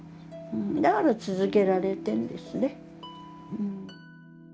だから続けられてんですね。